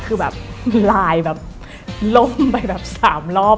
คือแบบลายแบบล่มไปแบบ๓รอบ